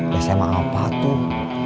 biasa emang apa tuh